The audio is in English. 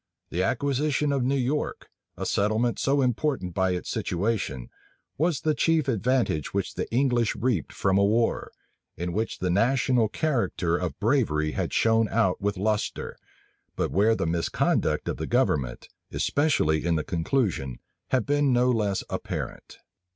The acquisition of New York, a settlement so important by its situation, was the chief advantage which the English reaped from a war, in which the national character of bravery had shone out with lustre, but where the misconduct of the government, especially in the conclusion, had been no less apparent.